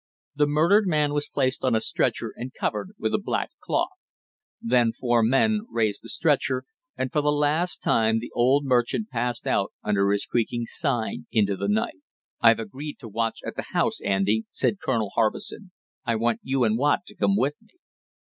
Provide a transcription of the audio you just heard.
The murdered man was placed on a stretcher and covered with a black cloth, then four men raised the stretcher and for the last time the old merchant passed out under his creaking sign into the night. "I've agreed to watch at the house, Andy," said Colonel Harbison. "I want you and Watt to come with me."